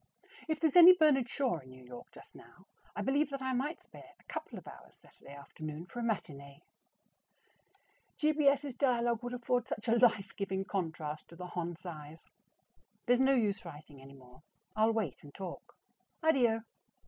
If there's any Bernard Shaw in New York just now, I believe that I might spare a couple of hours Saturday afternoon for a matinee. G. B. S.'s dialogue would afford such a life giving contrast to the Hon. Cy's. There's no use writing any more; I'll wait and talk. ADDIO.